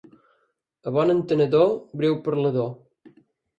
A bon entenedor, breu parlador.